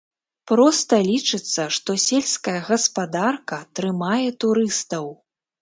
Проста лічыцца, што сельская гаспадарка трымае турыстаў.